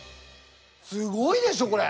すごいでしょこれ。